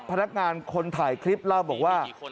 พนักงานคนถ่ายคลิปเล่าบอกว่า